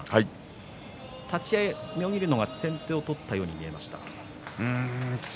立ち合い、妙義龍が先手を取ったように見えました。